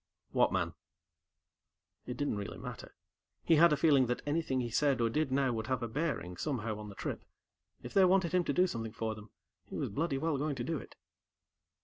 "What man?" It didn't really matter. He had a feeling that anything he said or did now would have a bearing, somehow, on the trip. If they wanted him to do something for them, he was bloody well going to do it.